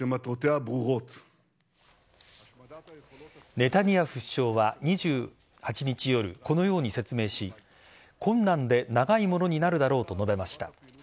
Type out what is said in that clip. ネタニヤフ首相は２８日夜このように説明し困難で長いものになるだろうと述べました。